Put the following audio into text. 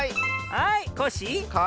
はいコッシー。